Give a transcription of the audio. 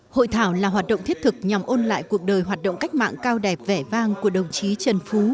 hội thảo là hoạt động thiết thực nhằm ôn lại cuộc đời hoạt động cách mạng cao đẹp vẻ vang của đồng chí trần phú